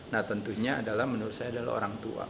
nah tentunya adalah menurut saya adalah orang tua